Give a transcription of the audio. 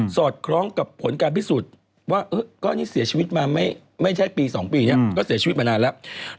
อดคล้องกับผลการพิสูจน์ว่าก้อนนี้เสียชีวิตมาไม่ใช่ปี๒ปีเนี่ยก็เสียชีวิตมานานแล้ว